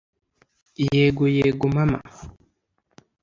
yego yego mama